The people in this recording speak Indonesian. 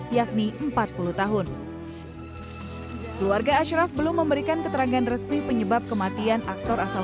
yakni empat puluh tahun keluarga ashraf belum memberikan keterangan resmi penyebab kematian aktor asal